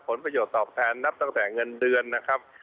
ผลประโยชน์ตอบแทนนับตั้งแต่เงินเดือนนะครับ